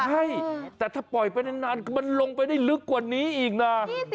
ใช่แต่ถ้าปล่อยไปนานมันลงไปได้ลึกกว่านี้อีกนะ